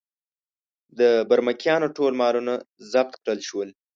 د برمکیانو ټول مالونه ضبط کړل شول.